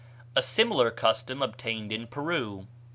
A similar custom obtained in Peru.